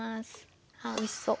あおいしそう！